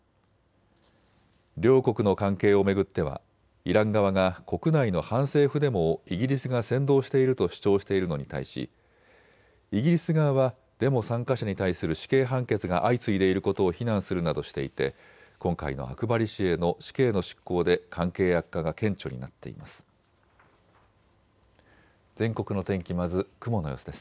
両国の関係を巡ってはイラン側が国内の反政府デモをイギリスが扇動していると主張しているのに対し、イギリス側はデモ参加者に対する死刑判決が相次いでいることを非難するなどしていて今回のアクバリ氏への死刑の執行で関係悪化が顕著になっています。